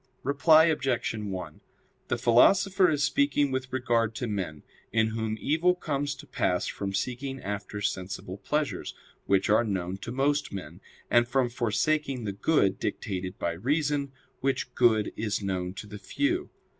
Reply Obj. 1: The Philosopher is speaking with regard to men, in whom evil comes to pass from seeking after sensible pleasures, which are known to most men, and from forsaking the good dictated by reason, which good is known to the few.